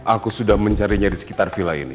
aku sudah mencari nyari sekitar villa ini